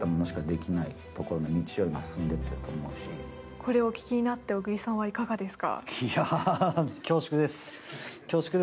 これをお聞きになって小栗さんはいかがですか？